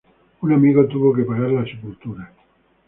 Un amigo tuvo que pagar la sepultura.